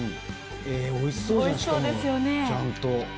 おいしそうじゃんしかも、ちゃんと。